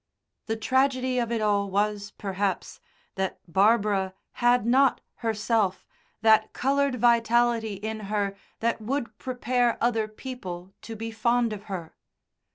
The tragedy of it all was perhaps, that Barbara had not herself that coloured vitality in her that would prepare other people to be fond of her.